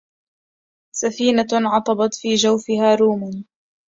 سفينةٌ عطبت في جوفها رومُ